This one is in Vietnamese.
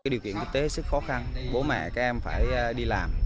điều kiện kinh tế rất khó khăn bố mẹ các em phải đi làm